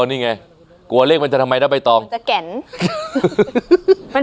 นี่ไงกลัวเลขมันจะทำไมถ้าใบตองรู้ว่าจะกัน